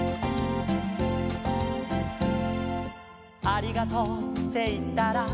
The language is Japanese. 「ありがとうっていったら」